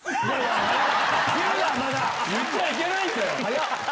言っちゃいけないんだよ！